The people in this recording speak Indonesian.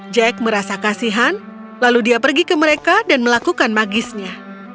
jack merasa kasihan lalu dia pergi ke mereka dan melakukan magisnya